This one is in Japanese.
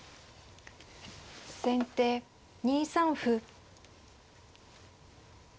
先手２三歩。